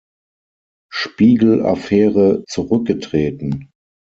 Spiegel-Affäre zurückgetreten.